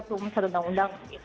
pemirsa tentang undang